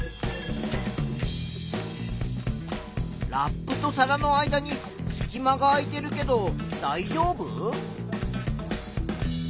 ラップと皿の間にすき間が空いているけどだいじょうぶ？